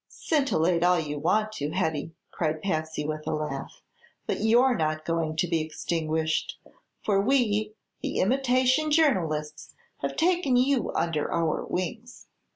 "Scintillate all you want to, Hetty," cried Patsy with a laugh; "but you're not going to be extinguished. For we, the imitation journalists, have taken you under our wings.